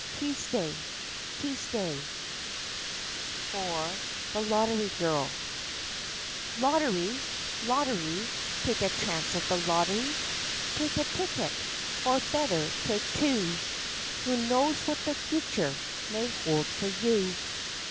Teestay, teestay. IV The Lottery Girl "Lottery, lottery, Take a chance at the lottery? Take a ticket, Or, better, take two; Who knows what the future May hold for you?